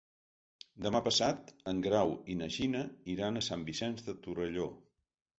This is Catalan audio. Demà passat en Grau i na Gina iran a Sant Vicenç de Torelló.